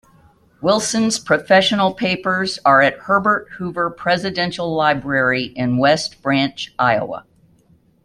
Wilson's professional papers are at Herbert Hoover Presidential Library in West Branch, Iowa.